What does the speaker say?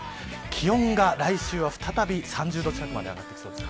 気温が来週は再び３０度近くまで上がってきそうです。